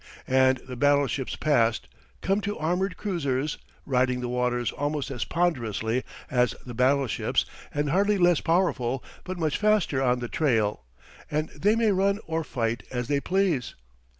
And, the battleships passed, come the armored cruisers, riding the waters almost as ponderously as the battleships and hardly less powerful, but much faster on the trail; and they may run or fight as they please.